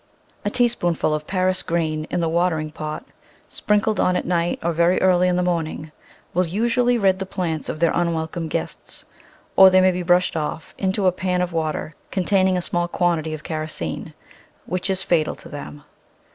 A teaspoonful of Paris green in the watering pot, sprinkled on at night or very early in the morning, will usually rid the plants of their unwelcome guests, or they may be brushed off into a pan of water con taining a small quantity of kerosene — which is fatal to them.